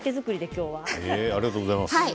ありがとうございます。